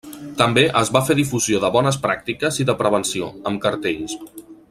També es va fer difusió de bones pràctiques i de prevenció, amb cartells.